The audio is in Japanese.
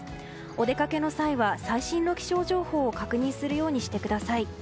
お出かけの際は最新の気象情報を確認するようにしてください。